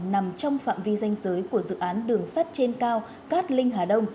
nằm trong phạm vi danh giới của dự án đường sắt trên cao cát linh hà đông